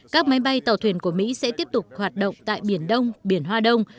các máy bay tàu thuyền của mỹ sẽ tiếp tục hoạt động tại biển đông biển hoa đông